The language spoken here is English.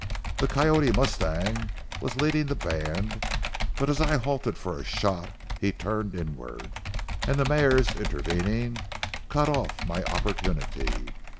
The coyote mustang was leading the band; but as I halted for a shot, he turned inward, and, the mares intervening, cut off my opportunity.